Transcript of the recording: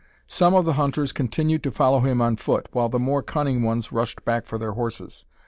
Some of the hunters continued to follow him on foot, while the more cunning ones rushed back for their horses.